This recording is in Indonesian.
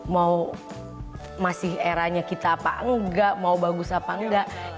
mau masih eranya kita apa enggak mau bagus apa enggak